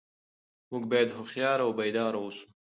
موږ باید هوښیار او بیدار اوسو.